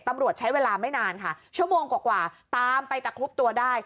ตำรวจใช้เวลาไม่นานค่ะชั่วโมงกว่าตามไปตะครุบตัวได้